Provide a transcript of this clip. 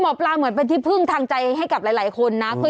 หมอปลาเหมือนเป็นที่พึ่งทางใจให้กับหลายคนนะ